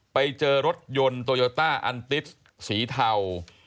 ไปเจอรถยนต์โตโยต้าอันติสสีเทา